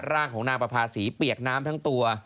ร่างของนางประภาษีเปียกน้ำทั้งตัว